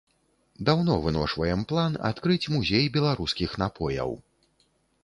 Даўно выношваем план адкрыць музей беларускіх напояў.